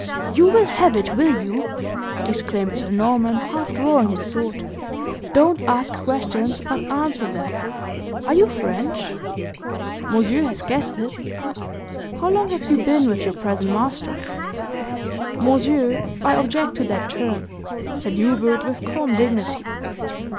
"You will have it, will you?" exclaimed Sir Norman, half drawing his sword. "Don't ask questions, but answer them. Are you French?" "Monsieur has guessed it." "How long have you been with your present master?" "Monsieur, I object to that term," said Hubert, with calm dignity.